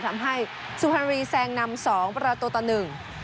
ทำให้สุพรรณบุรีแซงนำสองประตูต่อหนึ่ง